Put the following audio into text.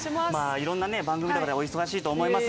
いろんなね番組とかでお忙しいと思います。